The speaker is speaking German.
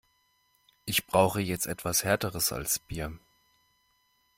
Ich brauche jetzt etwas härteres als Bier.